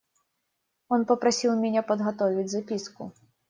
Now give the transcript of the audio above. Он попросил меня подготовить записку.